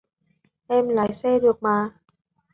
Em lái xe được mà